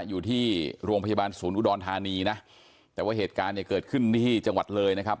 อยู่ที่โรงพยาบาลศูนย์อุดรธานีนะแต่ว่าเหตุการณ์เนี่ยเกิดขึ้นที่จังหวัดเลยนะครับ